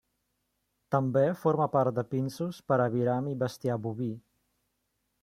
També forma part de pinsos per aviram i bestiar boví.